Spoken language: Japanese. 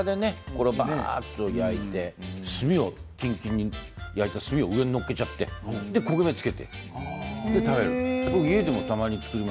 これをバーッと焼いて炭をキンキンに焼いて上に載っけちゃって焦げ目をつけて食べる。